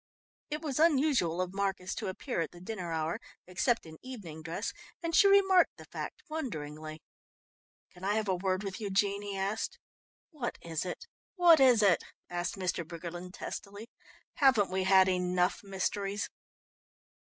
It was unusual of Marcus to appear at the dinner hour, except in evening dress, and she remarked the fact wonderingly. "Can I have a word with you, Jean?" he asked. "What is it, what is it?" asked Mr. Briggerland testily. "Haven't we had enough mysteries?"